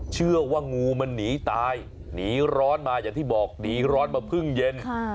เชื่อว่างูมันหนีตายหนีร้อนมาอย่างที่บอกหนีร้อนมาเพิ่งเย็น